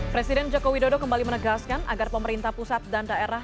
presiden joko widodo kembali menegaskan agar pemerintah pusat dan daerah